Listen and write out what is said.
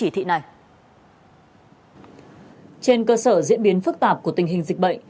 trên cơ sở diễn biến phức tạp của tình hình dịch bệnh